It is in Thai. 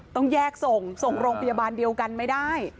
ต้องแยกส่งส่งโรงพยาบาลเดียวกันไม่ได้